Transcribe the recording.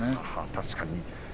確かに。